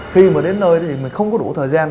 khi mà đến nơi thì mình không có đủ thời gian